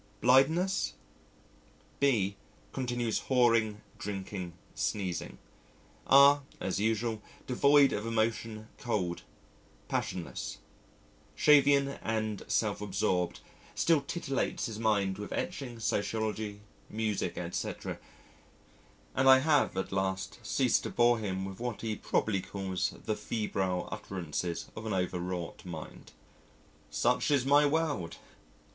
Blindness? B continues whoring, drinking, sneering. R as usual, devoid of emotion, cold, passionless, Shavian, and self absorbed, still titillates his mind with etching, sociology, music, etc., and I have at last ceased to bore him with what he probably calls the febrile utterances of an overwrought mind. Such is my world!